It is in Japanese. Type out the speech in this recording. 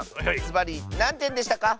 ずばりなんてんでしたか？